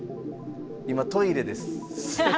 今トイレです。